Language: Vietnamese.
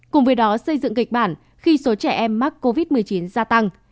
cùng với đó xây dựng kịch bản khi số trẻ em mắc covid một mươi chín gia tăng